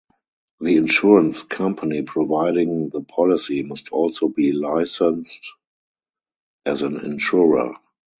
The insurance company providing the policy must also be licensed as an insurer.